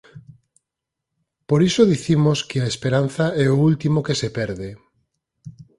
Por iso dicimos que "a esperanza é o último que se perde".